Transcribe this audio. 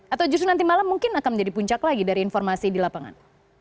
atau justru nanti malam mungkin akan menjadi puncak lagi dari informasi di lapangan